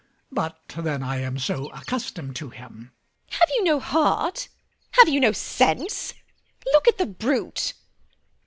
But then I am so accustomed to him. MRS HUSHABYE. Have you no heart? Have you no sense? Look at the brute!